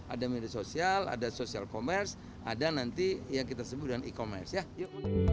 ada media sosial ada social commerce ada nanti yang kita sebut dengan e commerce ya yuk